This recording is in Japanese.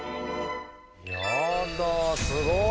やだすごい。